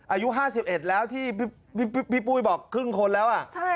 อายุ๕๑แล้วที่พี่ปุ้ยบอกครึ่งคนแล้ว